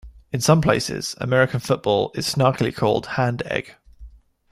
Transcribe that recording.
In some places, American football is snarkily called hand-egg.